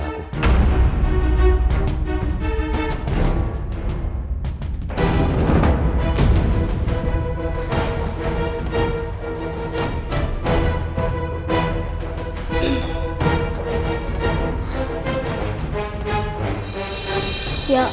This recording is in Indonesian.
sampai jumpa lagi